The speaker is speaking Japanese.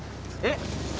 えっ？